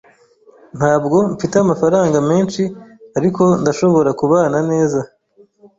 Ntabwo mfite amafaranga menshi, ariko ndashobora kubana neza.